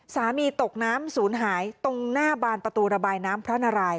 ตกน้ำศูนย์หายตรงหน้าบานประตูระบายน้ำพระนาราย